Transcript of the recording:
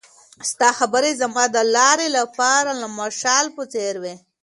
ستا خبرې زما د لارې لپاره د مشال په څېر وې.